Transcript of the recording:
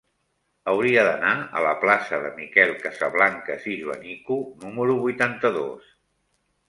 Hauria d'anar a la plaça de Miquel Casablancas i Joanico número vuitanta-dos.